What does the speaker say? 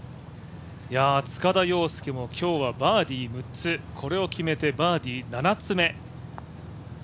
塚田陽亮も今日はバーディー６つ、これを決めてバーディー７つ目。